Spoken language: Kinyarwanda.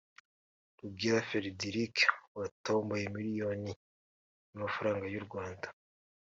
Rugira Frederic watomboye miliyoni y’amafaranga y’u Rwanda